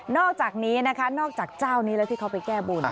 อกจากนี้นะคะนอกจากเจ้านี้แล้วที่เขาไปแก้บน